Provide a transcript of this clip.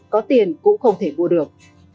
có tiền cũng không thể vua được